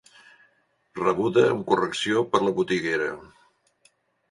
Rebuda amb correcció per la botiguera.